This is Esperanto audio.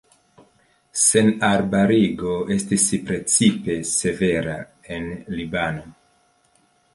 Senarbarigo estis precipe severa en Libano.